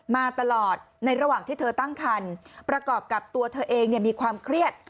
มาตลอดในระหว่างที่เธอตั้งคันประกอบกับตัวเธอเองมีความเครียด